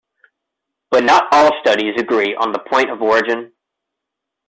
But not all studies agree on the point of origin.